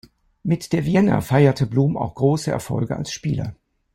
Mit der Vienna feierte Blum auch große Erfolge als Spieler.